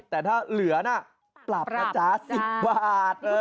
แต่ถ้าเหลือน่ะปรับนะจ๊ะ๑๐บาทเลย